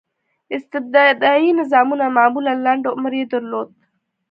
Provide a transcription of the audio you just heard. استبدادي نظامونه معمولا لنډ عمر یې درلود.